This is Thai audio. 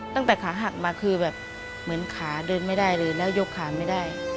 ตั้งแต่ขาหักมาคือแบบเหมือนขาเดินไม่ได้เลยแล้วยกขาไม่ได้